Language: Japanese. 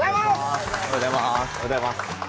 おはようございます。